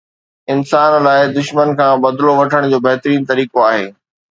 انسان لاءِ دشمن کان بدلو وٺڻ جو بهترين طريقو آهي